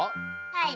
はい。